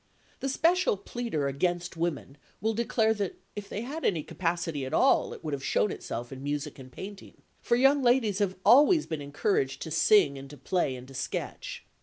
The special pleader against women will declare that if they had any capacity at all, it would have shown itself in music and painting, for young ladies have always been encouraged to sing and to play and to sketch.